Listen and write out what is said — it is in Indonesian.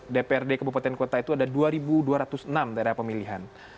dprd kabupaten kota itu ada dua dua ratus enam daerah pemilihan